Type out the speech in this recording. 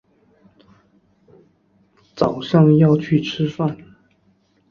早上要去吃饭